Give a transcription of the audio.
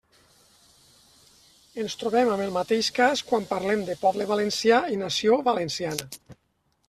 Ens trobem amb el mateix cas quan parlem de poble valencià i nació valenciana.